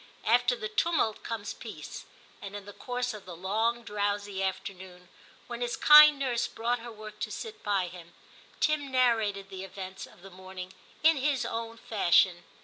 After the tumult comes peace, and in the course of the long, drowsy afternoon, when his kind nurse brought her work to sit by him, Tim narrated the events of the morning in his own fashion.